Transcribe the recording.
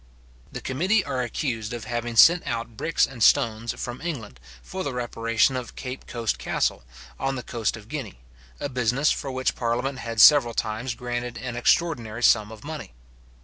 The committee are accused of having sent out bricks and stones from England for the reparation of Cape Coast Castle, on the coast of Guinea; a business for which parliament had several times granted an extraordinary sum of money.